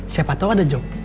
siapa tau ada job